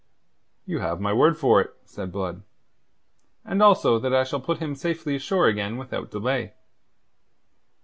"You have my word for it," said Blood. "And also that I shall put him safely ashore again without delay."